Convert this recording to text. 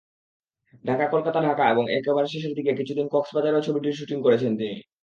ঢাকা-কলকাতা-ঢাকা এবং একেবারে শেষের দিকে কিছুদিন কক্সবাজারেও ছবিটির শুটিং করেছেন তিনি।